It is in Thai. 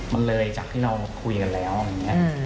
มันเลยจากที่เราคุยกันแล้วอะไรอย่างนี้